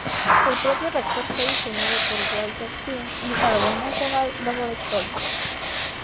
El propio reactor fue diseñado por Walter Zinn y el Argonne National Laboratory.